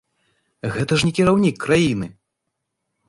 Гэта ж не кіраўнік краіны!